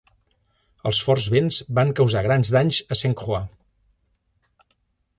Els forts vents van causar grans danys a Saint Croix.